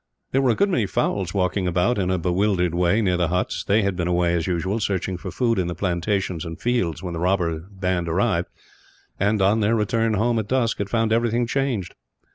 There were a good many fowls walking about, in a bewildered way, near the huts. They had been away, as usual, searching for food in the plantations and fields when the robber band arrived and, on their return home at dusk, had found everything changed.